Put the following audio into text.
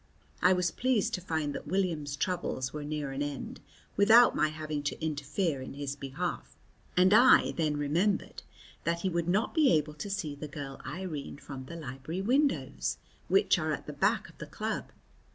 I was pleased to find that William's troubles were near an end without my having to interfere in his behalf, and I then remembered that he would not be able to see the girl Irene from the library windows, which are at the back of the club.